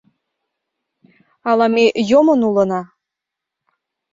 — Ала ме йомын улына?